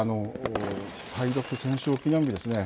対独戦勝記念日ですね